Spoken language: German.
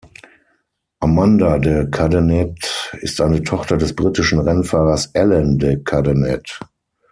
Amanda de Cadenet ist eine Tochter des britischen Rennfahrers Alain de Cadenet.